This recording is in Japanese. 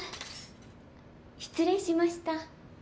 失礼しました！